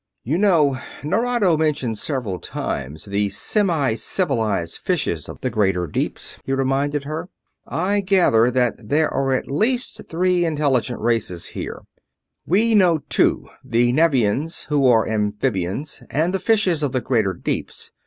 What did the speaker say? "You know Nerado mentioned several times the 'semicivilized fishes of the greater deeps'?" he reminded her. "I gather that there are at least three intelligent races here. We know two the Nevians, who are amphibians, and the fishes of the greater deeps.